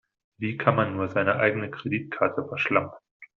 Wie kann man nur seine eigene Kreditkarte verschlampen?